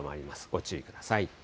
ご注意ください。